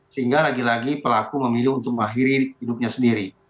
sehingga lagi lagi pelaku memilih untuk mengakhiri hidupnya sendiri